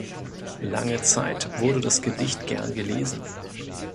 Lange Zeit wurde das Gedicht gern gelesen.